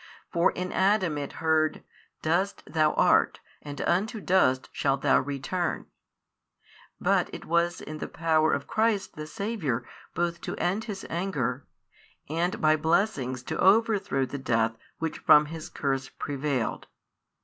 For in Adam it heard, Dust thou art and unto dust shalt thou return; but it was in the power of Christ the Saviour both to end His Anger, and by blessings to overthrow the death which from His curse prevailed.